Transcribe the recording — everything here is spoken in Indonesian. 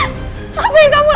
aku akan menangkapmu